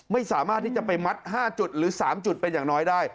ไม่สามารถที่จะไปมัด๕จุดหรือ๓จุดเป็นอย่างน้อยได้